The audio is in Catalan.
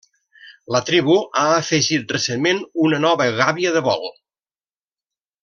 La tribu ha afegit recentment una nova gàbia de vol.